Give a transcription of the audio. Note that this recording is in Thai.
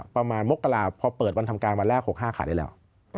มกราพอเปิดวันทำการวันแรก๖๕ขาดได้แล้ว